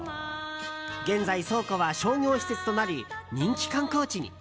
現在、倉庫は商業施設となり人気観光地に。